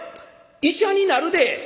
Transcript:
医者になるで！」。